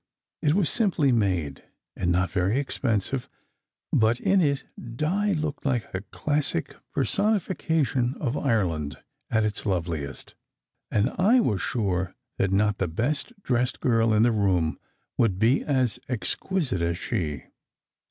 It was simply made, and not very expensive; but in it Di looked like a classic personifi SECRET HISTORY 35 cation of Ireland at its loveliest, and I was sure that not the best dressed girl in the room would be as exquisite as she.